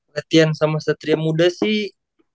latihan sama satria muda sih